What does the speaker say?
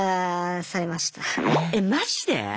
えマジで？